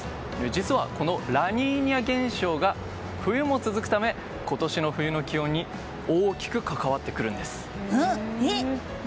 実はこのラニーニャ現象が冬も続くため今年の冬の気温に大きく関わってくるんです。え？